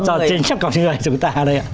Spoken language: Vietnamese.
cho chính các con người chúng ta đây ạ